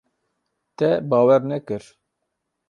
Te bawer nekir.